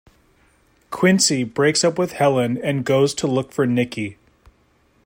Quincy breaks up with Helen and goes to look for Nicky.